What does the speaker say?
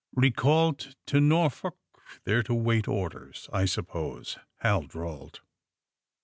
'^Eecalled to Norfolk, there to wait orders, I suppose,'^ Hal drawled.